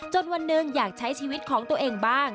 วันหนึ่งอยากใช้ชีวิตของตัวเองบ้าง